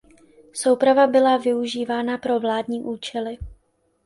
Souprava byla využívána pro vládní účely.